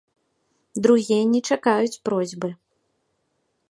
Другія не чакаюць просьбы.